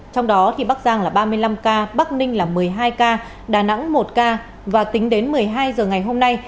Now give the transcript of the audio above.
trong đó thì bắc giang là ba mươi năm ca bắc ninh là một mươi hai ca đà nẵng một ca và tính đến một mươi hai h ngày hôm nay